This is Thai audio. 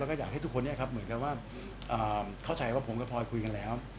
แล้วก็อยากให้ทุกคนเหมือนกับว่าเข้าใจว่าผมกับพลอยคุยกันแล้ว